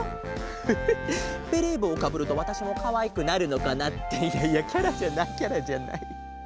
フフベレーぼうをかぶるとわたしもかわいくなるのかな。っていやいやキャラじゃないキャラじゃない。